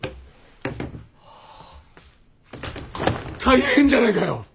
大変じゃないかよ！